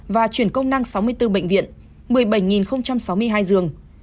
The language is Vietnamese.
và chuyển công năng sáu mươi bốn bệnh viện một mươi bảy sáu mươi hai giường